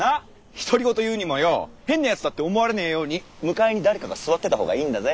独り言言うにもよォヘンなやつだって思われねーように向かいに誰かが座ってたほうがいいんだぜ。